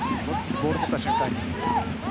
ボールを持った瞬間に。